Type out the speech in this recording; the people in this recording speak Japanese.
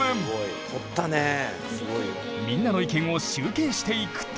みんなの意見を集計していくと。